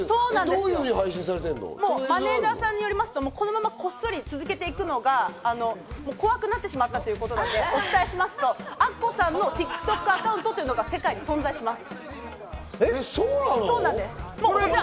マネジャーさんによりますと、このままこっそり続けていくのが怖くなってしまったということでお伝えしますと、アッコさんのＴｉｋＴｏｋアカウントというのが世界に存在します。